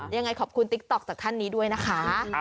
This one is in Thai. ยังไงขอบคุณติ๊กต๊อกจากท่านนี้ด้วยนะคะ